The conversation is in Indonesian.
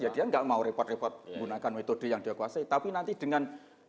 dia nggak mau repot repot menggunakan metode yang dia kuasai tapi nanti dengan